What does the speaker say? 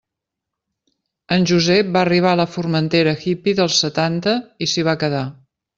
En Josep va arribar a la Formentera hippy dels setanta i s'hi va quedar.